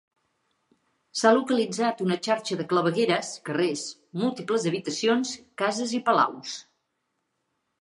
S'ha localitzat una xarxa de clavegueres, carrers, múltiples habitacions, cases i palaus.